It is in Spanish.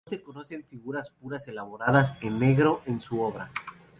No se conocen figuras puras elaboradas en negro en su obra.